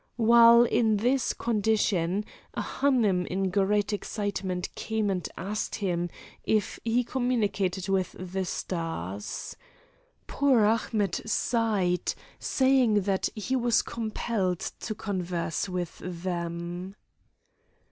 While in this condition a Hanoum in great excitement came and asked him if he communicated with the stars. Poor Ahmet sighed, saying that he was compelled to converse with them.